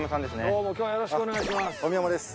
どうも今日はよろしくお願いします。